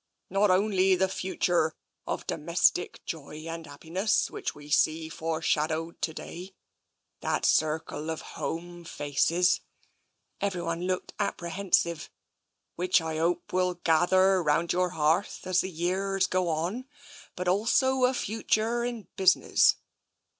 Not only that future of domestic joy and happiness which we see foreshadowed to day — that TENSION 217 circle of home faces" — everybody looked apprehen sive —" which I hope will gather round your hearth as the yearrs go on, but also a future in business.